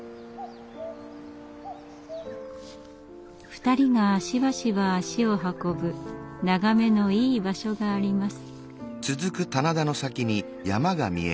２人がしばしば足を運ぶ眺めのいい場所があります。